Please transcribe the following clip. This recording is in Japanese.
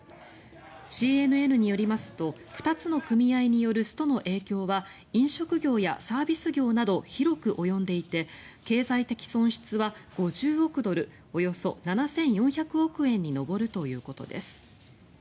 ＣＮＮによりますと２つの組合によるストの影響は飲食業やサービス業など広く及んでいて経済的損失は５０億ドルおよそ７４００億円に上るということです。